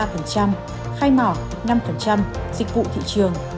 khai mỏ năm dịch vụ thị trường năm